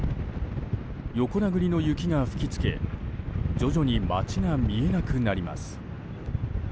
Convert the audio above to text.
横殴りの雪が吹き付け徐々に街が見えなくなります。